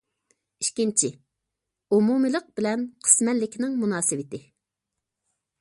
ئىككىنچى، ئومۇمىيلىق بىلەن قىسمەنلىكنىڭ مۇناسىۋىتى.